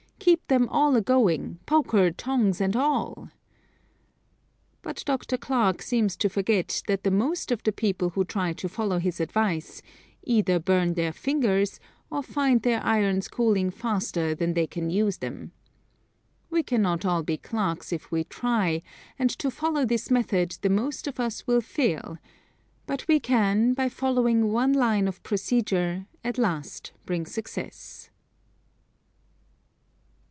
Keep them all agoing poker, tongs and all." But Dr. Clark seems to forget that the most of the people who try to follow his advice, either burn their fingers or find their irons cooling faster than they can use them. We cannot all be Clarks if we try, and to follow this method the most of us will fail; but we can, by following one line of procedure, at last bring success.